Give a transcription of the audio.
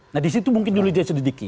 nah disitu mungkin dulu dia cerdiki